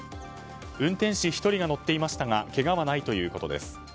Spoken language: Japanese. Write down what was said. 運転士１人が乗っていましたがけがはないということです。